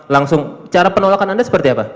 langsung cara penolakan anda seperti apa